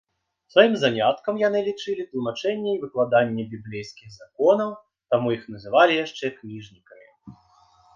Сваім заняткам яны лічылі тлумачэнне і выкладанне біблейскіх законаў, таму іх называлі яшчэ кніжнікамі.